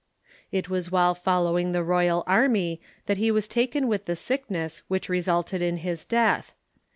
It was while following the royal army that he was taken with the sickness which resulted in his death.